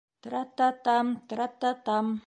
Трра-та-та-там, тра-та-та-там!